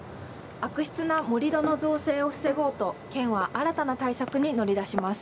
悪質な盛り土の造成を防ごうと県は新たな対策に乗り出します。